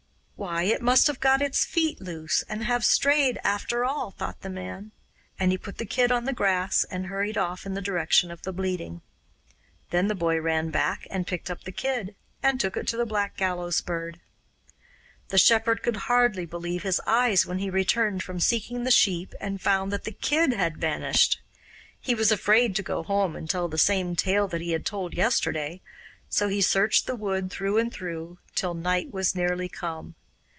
'Why, it must have got its feet loose, and have strayed after all,' thought the man; and he put the kid on the grass and hurried off in the direction of the bleating. Then the boy ran back and picked up the kid, and took it to the Black Gallows Bird. The shepherd could hardly believe his eyes when he returned from seeking the sheep and found that the kid had vanished. He was afraid to go home and tell the same tale that he had told yesterday; so he searched the wood through and through till night was nearly come.